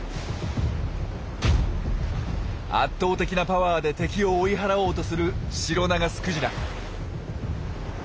圧倒的なパワーで敵を追い払おうとするシロナガスクジラ。